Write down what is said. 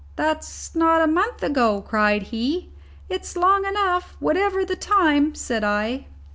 "That's not a month ago," cried he. "It's long enough, whatever the time," said I.